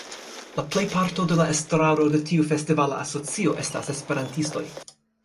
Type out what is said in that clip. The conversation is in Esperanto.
La plejparto de la estraro de tiu festivala asocio estas Esperantistoj.